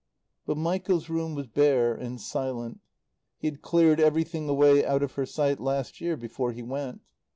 But Michael's room was bare and silent. He had cleared everything away out of her sight last year before he went.